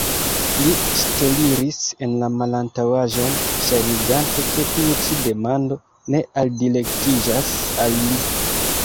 Li ŝteliris en la malantaŭaĵon, ŝajnigante, ke tiu ĉi demando ne aldirektiĝas al li.